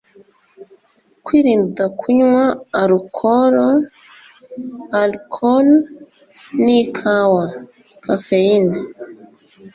Kwirinda kunywa alukolo (alcool) n’ikawa (caféine)